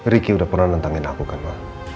ricky udah pernah nentangin aku kan pak